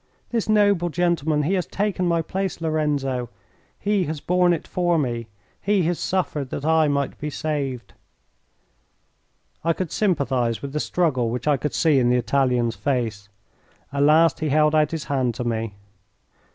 "This noble gentleman he has taken my place, Lorenzo! He has borne it for me. He has suffered that I might be saved." I could sympathise with the struggle which I could see in the Italian's face. At last he held out his hand to me.